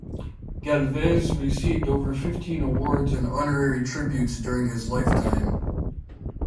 Galvez received over fifteen awards and honorary tributes during his lifetime.